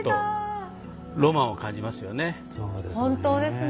そうですね。